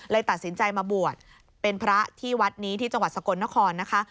ตัดสินใจมาบวชเป็นพระที่วัดนี้ที่จังหวัดสกลนครนะคะ